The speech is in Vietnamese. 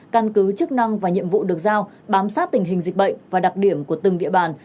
căn cứ chức năng và nhiệm vụ được giao bám sát tình hình dịch bệnh và đặc điểm của từng địa bàn